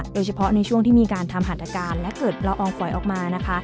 โดยเฉพาะในช่วงที่มีการทำหัตอาการและเกิดละอองฝอยออกมานะคะ